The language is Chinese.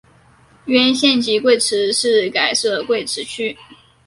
原县级贵池市改设贵池区。